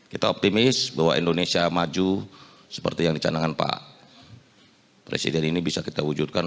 kita optimis bahwa indonesia maju seperti yang dicanangkan pak presiden ini bisa kita wujudkan